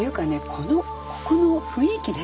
このここの雰囲気ね。